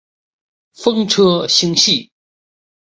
风车星系。